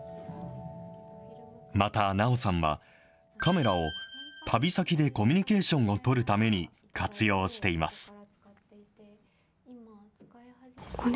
また奈緒さんは、カメラを旅先でコミュニケーションを取るために活用しています。